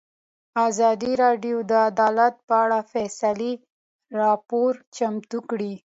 ازادي راډیو د عدالت په اړه تفصیلي راپور چمتو کړی.